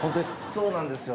そうなんですよ。